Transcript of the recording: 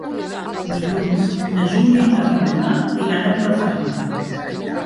Dilluns na Júlia i na Ramona iran a Vilafranca.